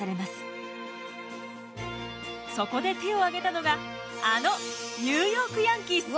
そこで手を挙げたのがあのニューヨーク・ヤンキース。